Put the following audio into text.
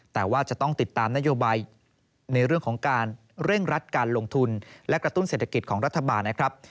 แต่ว่าจะต้องติดตามนโยบายในเรื่องของการเร่งรัดการลงทุนและกระตุ้นเศรษฐกิจของรัฐบาลนะครับ